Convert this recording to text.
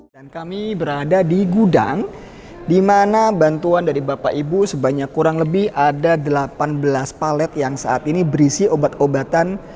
dan kami berada di gudang dimana bantuan dari bapak ibu sebanyak kurang lebih ada delapan belas palet yang saat ini berisi obat obatan